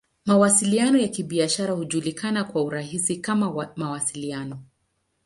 Mawasiliano ya Kibiashara hujulikana kwa urahisi kama "Mawasiliano.